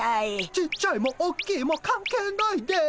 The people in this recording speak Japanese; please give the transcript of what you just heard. ちっちゃいもおっきいも関係ないです。